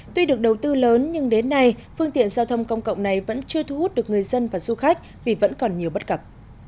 tuy được đầu tư lớn nhưng đến nay phương tiện giao thông công cộng này vẫn chưa thu hút được người dân và du khách vì vẫn còn nhiều bất cập